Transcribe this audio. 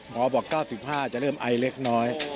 บอก๙๕จะเริ่มไอเล็กน้อย